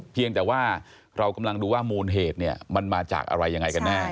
เพียงแต่ว่าเรากำลังดูว่ามูลเหตุเนี่ยมันมาจากอะไรยังไงกันแน่